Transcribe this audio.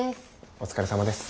お疲れさまです。